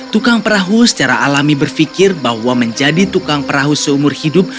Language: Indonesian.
tukang perahu secara alami berpikir bahwa menjadi tukang perahu seumur hidup